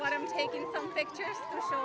dan ini adalah satu satunya alasan